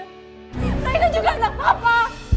raina juga anak papa